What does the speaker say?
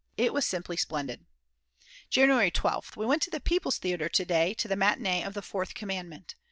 It was simply splendid! January 12th. We went to the People's Theatre to day to the matinee of The Fourth Commandment.